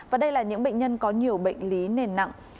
và đây là những bệnh nhân có nhiều bệnh lý nền nặng